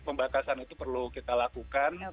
jadi pembatasan itu perlu kita lakukan